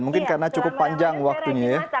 mungkin karena cukup panjang waktunya ya